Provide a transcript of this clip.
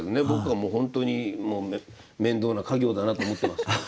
僕はもう本当に面倒な稼業だなと思ってますよ